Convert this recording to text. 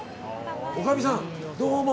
おかみさん、どうも。